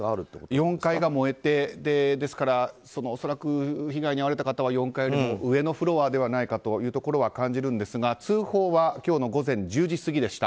４階が燃えていて恐らく被害に遭われた方は４階よりも上のフロアじゃないかと感じるんですが通報は今日の午前１０時過ぎでした。